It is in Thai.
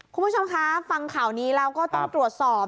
คุณผู้ชมคะฟังข่าวนี้แล้วก็ต้องตรวจสอบ